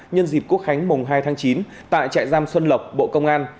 nhân dịp quốc khánh mùng hai tháng chín tại trại giam xuân lộc bộ công an